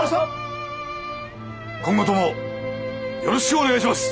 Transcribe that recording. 今後ともよろしくお願いします！